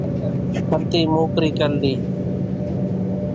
کنڌِي موڪرِي ڪرِ لئِي۔